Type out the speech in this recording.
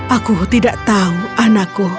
aku tidak tahu anakku